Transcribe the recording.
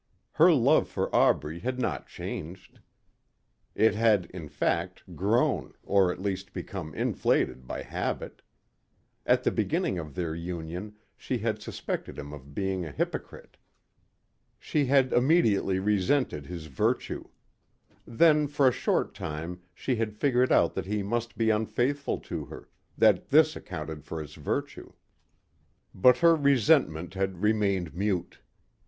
Her love for Aubrey had not changed. It had, in fact, grown or at least become inflated by habit. At the beginning of their union she had suspected him of being a hypocrite. She had immediately resented his virtue. Then for a short time she had figured out that he must be unfaithful to her, that this accounted for his virtue. But her resentment had remained mute.